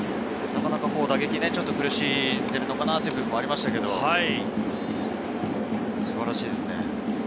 なかなか打撃、ちょっと苦しんでるのかなという部分もありましたけど、素晴らしいですね。